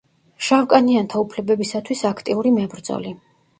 შავკანიანთა უფლებებისათვის აქტიური მებრძოლი.